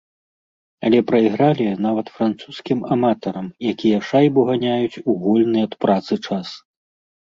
Але прайгралі нават французскім аматарам, якія шайбу ганяюць у вольны ад працы час.